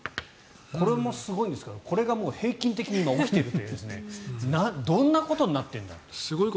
これもすごいんですがこれが平均的に今、起きているというどんなことになってるんだと。